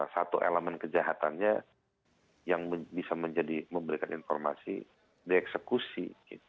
satu elemen kejahatannya yang bisa menjadi memberikan informasi dieksekusi